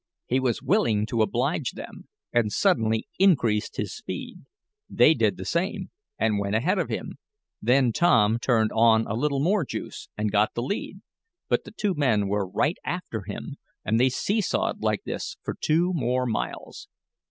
He was willing to oblige them, and suddenly increased his speed. They did the same, and went ahead of him. Then Tom turned on a little more juice and got the lead, but the two men were right after him, and they see sawed like this for two more miles.